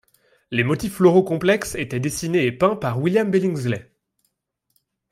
Les motifs floraux complexes étaient dessinés et peints par William Billingsley.